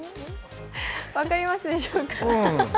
分かりますでしょうか。